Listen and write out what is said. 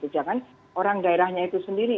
jangan orang daerahnya itu sendiri